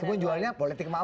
meskipun jualannya politik mama